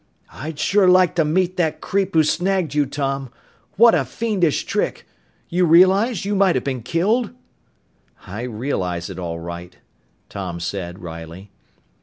"I'd sure like to meet that creep who snagged you, Tom. What a fiendish trick! You realize you might have been killed?" "I realize it, all right," Tom said wryly.